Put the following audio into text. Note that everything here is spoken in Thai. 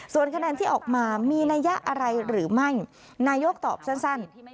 ส่วนคะแนนที่ออกมามีนัยยะอะไรหรือไม่นายกตอบสั้น